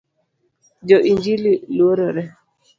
Jo injili luorore